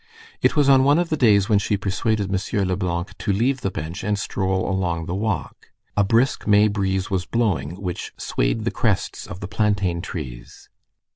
It was on one of the days when she persuaded M. Leblanc to leave the bench and stroll along the walk. A brisk May breeze was blowing, which swayed the crests of the plaintain trees.